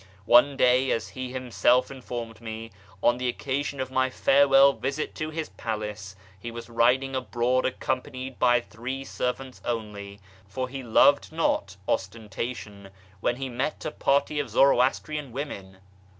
One day, as he himself in formed me, on the occasion of my farewell visit to his palace, he was riding abroad accompanied by three servants only (for he loved not ostentation) when he met a party of Zoroastrian women.